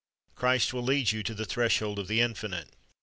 Christ will lead you to the threshold of the Infinite.